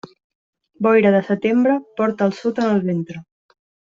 Boira de setembre, porta el sud en el ventre.